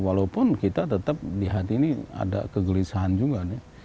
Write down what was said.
walaupun kita tetap di hati ini ada kegelisahan juga nih